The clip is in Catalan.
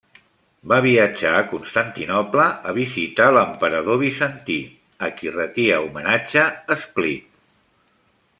Va viatjar a Constantinoble a visitar l'emperador bizantí, a qui retia homenatge Split.